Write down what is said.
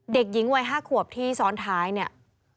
เด็กหญิงวัย๕ขวบที่ซ้อนท้ายเนี่ย